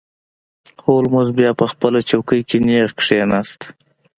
هولمز بیا په خپله څوکۍ کې نیغ کښیناست.